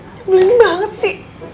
nyebelin banget sih